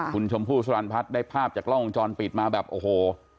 คุณชมพู่สรรพัฒน์ได้ภาพจากกล้องวงจรปิดมาแบบโอ้โห